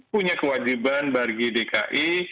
punya kewajiban bagi dki